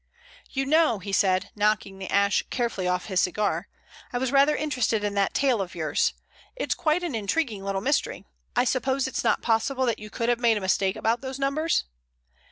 "You know," he said, knocking the ash carefully off his cigar, "I was rather interested in that tale of yours. It's quite an intriguing little mystery. I suppose it's not possible that you could have made a mistake about those numbers?"